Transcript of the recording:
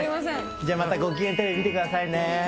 じゃあ、また５きげんテレビ見てくださいね。